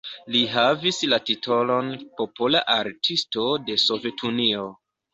Li havis la titolon Popola Artisto de Sovetunio.